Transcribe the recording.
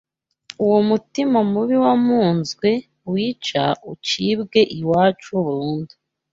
uwo mutima mubi wamunzwe wica ucibwe iwacu burundu